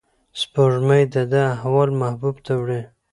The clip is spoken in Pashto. سپوږمۍ د ده احوال محبوب ته وړي.